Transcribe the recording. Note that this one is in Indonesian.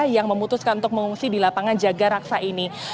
yang memutuskan untuk mengungsi di lapangan jaga raksa ini